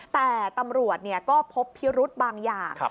แต่ตำรวจก็พบพิรุธบางอย่าง